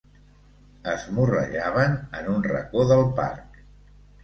Es morrejaven en un racó del parc.